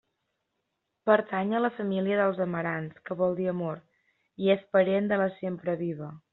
Pertany a la família dels amarants, que vol dir amor, i és parent de la sempreviva.